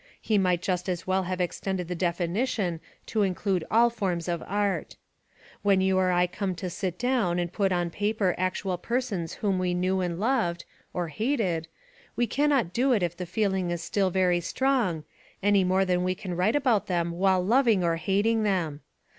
He might just as well have extended the definition to include all forms of art. When you or I come to sit down and put on paper actual persons whom we knew and loved (or hated) we cannot do it if the feeling is still very strong, any more than we can write about them while loving or hating them.